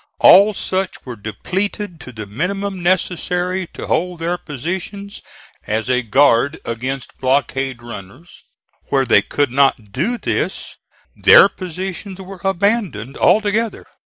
All such were depleted to the minimum necessary to hold their positions as a guard against blockade runners; where they could not do this their positions were abandoned altogether.